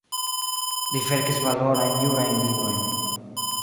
Li verkis valorajn jurajn librojn.